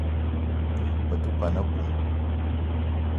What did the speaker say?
Me te kwuan a-bum